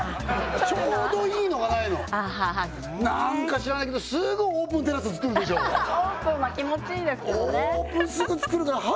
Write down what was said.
ちょうどいいのがないのなんか知らないけどすぐオープンテラス作るでしょオープンは気持ちいいですけどね